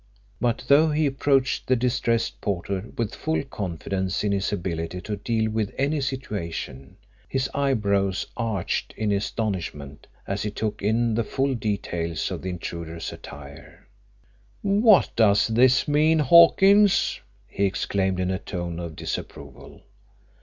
But though he approached the distressed porter with full confidence in his ability to deal with any situation, his eyebrows arched in astonishment as he took in the full details of the intruder's attire. "What does this mean, Hawkins?" he exclaimed, in a tone of disapproval.